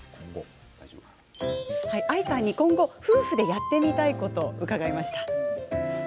愛さんに今後、夫婦でやってみたいことを聞きました。